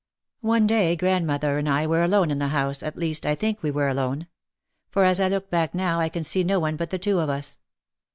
One day grandmother and I were alone in the house, at least, I think we were alone. For as I look back now I can see no one but the two of us.